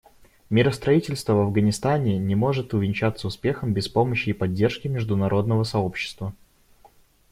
Миростроительство в Афганистане не может увенчаться успехом без помощи и поддержки международного сообщества.